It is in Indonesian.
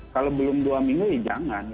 kalau belum dua minggu ya jangan